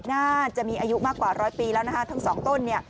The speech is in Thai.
น่าจะมีอายุมากกว่าร้อยปีแล้วนะคะทั้งสองต้นเนี่ย